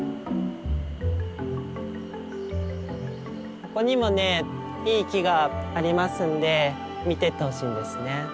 ここにもねいい木がありますんで見ていってほしいんですね。